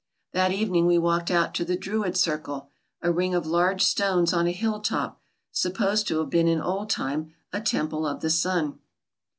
That evening we walked out to the 'Druid Circle', a ring of targe stones on a hill top, supposed to have been in old time a temple of the sun.